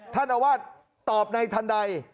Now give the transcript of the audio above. เจ้าอาวาสตอบในทันใด